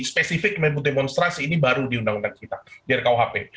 spesifik membuka demonstrasi ini baru diundang undang kita di rkuhp